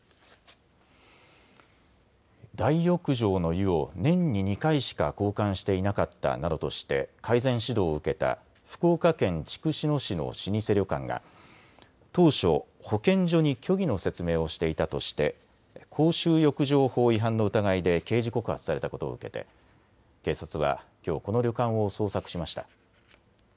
大浴場の湯を年に２回しか交換していなかったなどとして改善指導を受けた福岡県筑紫野市の老舗旅館が当初、保健所に虚偽の説明をしていたとして公衆浴場法違反の疑いで刑事告発されたことを受けて警察は、きょうこの旅館を捜索しました。